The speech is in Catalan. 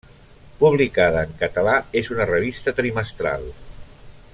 Publicada en català, és una revista trimestral.